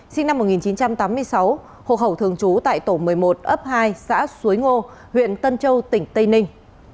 sinh năm một nghìn chín trăm tám mươi sáu hộ khẩu thường trú tại tổ một mươi một ấp hai xã suối ngô huyện tân châu tỉnh tây ninh